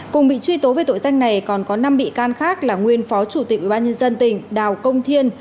cùng bị truy tố về tội danh này còn có năm bị can khác là nguyên phó chủ tịch ủy ban nhân dân tỉnh đào công thiên